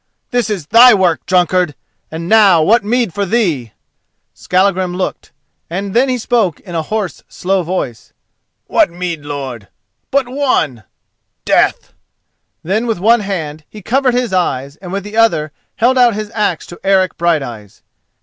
This is thy work, drunkard! and now what meed for thee?" Skallagrim looked. Then he spoke in a hoarse slow voice: "What meed, lord? But one—death!" Then with one hand he covered his eyes and with the other held out his axe to Eric Brighteyes.